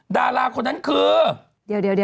ดาราคนนั้นคือ